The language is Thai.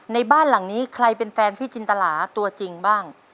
ในบ้านหลังนี้ใครเป็นแฟนพี่จินตราตัวจริงบ้าง